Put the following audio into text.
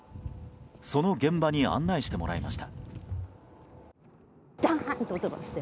その現場に案内してもらいました。